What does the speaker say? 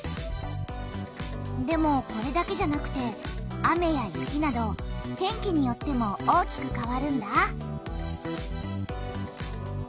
でもこれだけじゃなくて雨や雪など天気によっても大きくかわるんだ。